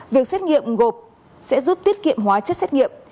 việc xét nghiệm gộp sẽ giúp tiết kiệm hóa chất xét nghiệm